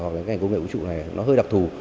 công nghệ vũ trụ này nó hơi đặc thù